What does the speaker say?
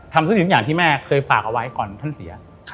ทำสิ่งที่แม่เคยฝากเอาไว้ก่อนท่านเสีย